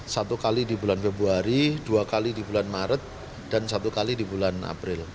satu kali di bulan februari dua kali di bulan maret dan satu kali di bulan april